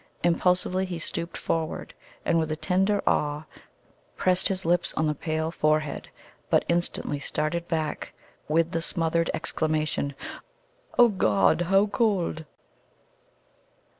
Impulsively he stooped forward, and with a tender awe pressed his lips on the pale forehead, but instantly started back with the smothered, exclamation: "O God! how cold!"